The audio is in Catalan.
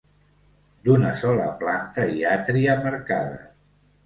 D'una sola planta i atri amb arcades.